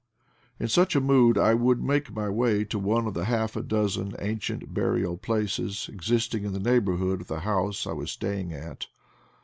In such a mood I would make my way to one of the half a dozen ancient burial places ex isting in the neighborhood of the house I was staying at.